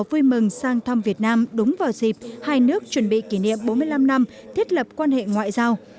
vui mừng sang thăm việt nam đúng vào dịp hai nước chuẩn bị kỷ niệm bốn mươi năm năm thiết lập quan hệ ngoại giao